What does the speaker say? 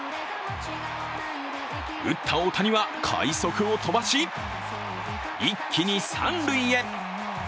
打った大谷は、快足を飛ばし、一気に三塁へ。